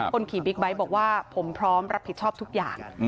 คนขี่บิ๊กไบท์บอกว่าผมพร้อมรับผิดชอบทุกอย่าง